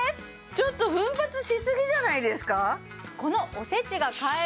ちょっと奮発しすぎじゃないですか？